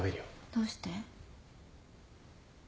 どうして？